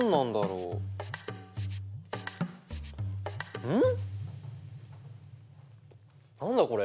うん。